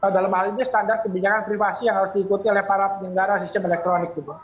dalam hal ini standar kebijakan privasi yang harus diikuti oleh para penyelenggara sistem elektronik gitu